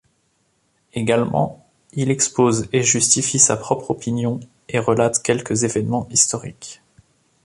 Également, il expose et justifie sa propre opinion, et relate quelques événements historiques.